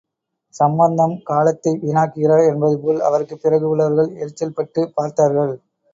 சம்பந்தம், காலத்தை வீணாக்குகிறார் என்பதுபோல், அவருக்குப் பிறகு உள்ளவர்கள் எரிச்சல்பட்டுப் பார்த்தார்கள்.